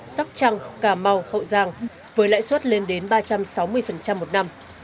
sóc trăng cà mau hậu giang với lãi suất lên đến ba trăm sáu mươi một năm